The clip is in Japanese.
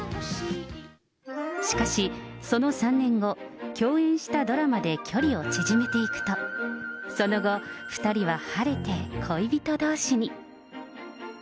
しかし、その３年後、共演したドラマで距離を縮めていくと、その後、２人は晴れて恋人どうしに。